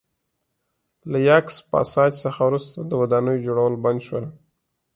له یاکس پاساج څخه وروسته د ودانیو جوړول بند شول